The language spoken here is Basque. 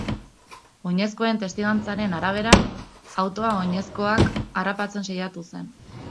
Oinezkoen testigantzaren arabera, autoa oinezkoak harrapatzen saiatu zen.